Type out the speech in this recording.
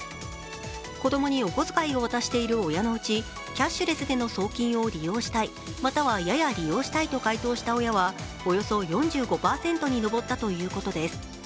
子供にお小遣いを渡している親のうちキャッシュレスでの送金を利用したい、または、やや利用したいと回答した親はおよそ４５％に上ったということです。